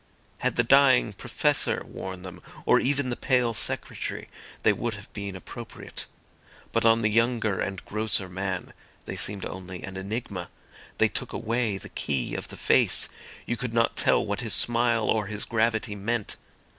Had the dying Professor worn them, or even the pale Secretary, they would have been appropriate. But on the younger and grosser man they seemed only an enigma. They took away the key of the face. You could not tell what his smile or his gravity meant.